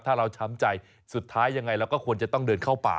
ถ้าเราช้ำใจสุดท้ายยังไงเราก็ควรจะต้องเดินเข้าป่า